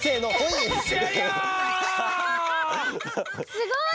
すごいよ！